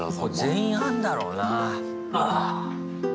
全員あんだろうな。